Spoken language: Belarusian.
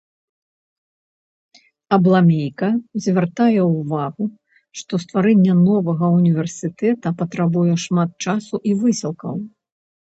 Абламейка звяртае ўвагу, што стварэнне новага ўніверсітэта патрабуе шмат часу і высілкаў.